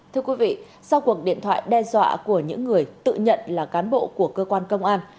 thưa quý vị sau cuộc điện thoại đe dọa của những người tự nhận là cán bộ của cơ quan công an